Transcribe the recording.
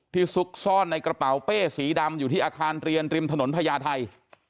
ซุกซ่อนในกระเป๋าเป้สีดำอยู่ที่อาคารเรียนริมถนนพญาไทย